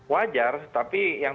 wajar tapi yang